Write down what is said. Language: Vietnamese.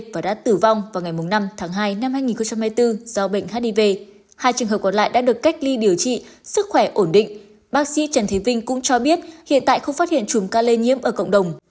bác sĩ trần thế vinh cũng cho biết hiện tại không phát hiện chùm ca lây nhiễm ở cộng đồng